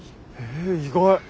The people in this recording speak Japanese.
え意外。